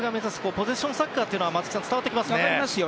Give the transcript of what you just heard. ポゼッションサッカーは伝わってきますね。